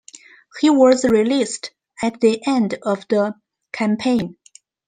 He was released at the end of the campaign.